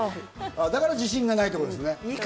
だから自信がないということですね。